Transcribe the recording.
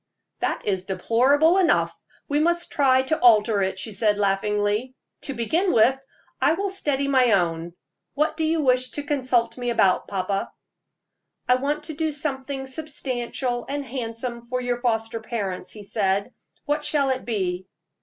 "That is deplorable enough. We must try to alter it," she said, laughingly. "To begin with, I will steady my own. What do you wish to consult me about, papa?" "I want to do something substantial and handsome for your foster parents," he said. "What shall it be?"